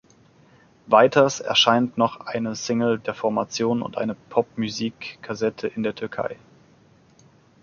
Weiters erscheint noch eine Single der Formation und eine Popmüzik-Kassette in der Türkei.